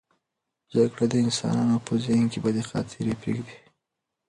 جګړه د انسانانو په ذهن کې بدې خاطرې پرېږدي.